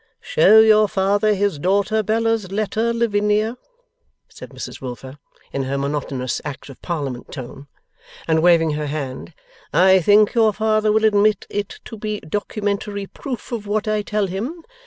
'Show your father his daughter Bella's letter, Lavinia,' said Mrs Wilfer, in her monotonous Act of Parliament tone, and waving her hand. 'I think your father will admit it to be documentary proof of what I tell him.